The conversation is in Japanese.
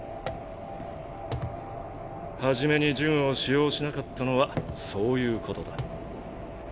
初めに呪具を使用しなかったのはそういうことだ。